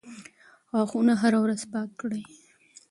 غاښونه هره ورځ پاک کړئ.